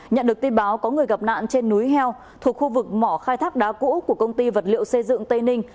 nhận được tin báo có người gặp nạn trên núi heo thuộc khu vực mỏ khai thác đá cũ của công ty vật liệu xây dựng tây ninh